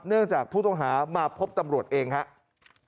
เนื่องจากผู้ต้องหามาพบตำรวจเองครับ